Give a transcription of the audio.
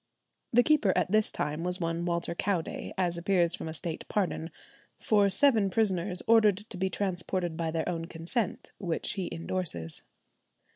The keeper at this time was one Walter Cowday, as appears from a State pardon "for seven prisoners ordered to be transported by their own consent," which he endorses.